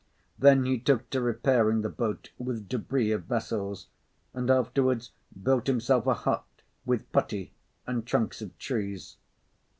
Then he took to repairing the boat with debris of vessels, and afterwards built himself a hut with putty and trunks of trees.